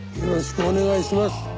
よろしくお願いします。